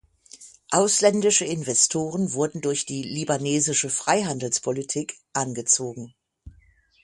Ausländische Investoren wurden durch die "libanesische Freihandelspolitik" angezogen.